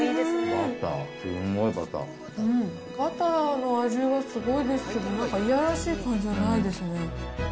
バターの味はすごいですけど、なんか、いやらしい感じはないですね。